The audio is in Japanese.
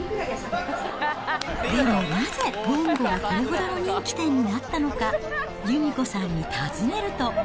でもなぜ、ぼんごがこれほどの人気店になったのか、由美子さんに尋ねると。